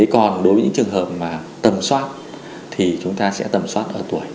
còn đối với những trường hợp mà tầm soát thì chúng ta sẽ tầm soát ở tuổi